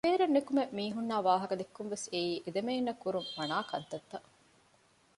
ބޭރަށް ނުކުމެ މީހުންނާއި ވާހަކަ ދެއްކުންވެސް އެއީ އެދެމައިންނަށް ކުރުން މަނާކަންތައްތައް